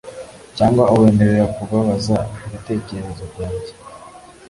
cyangwa ubemerera kubabaza ibitekerezo byanjye ...